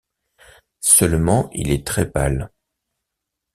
Seulement il est très-pâle.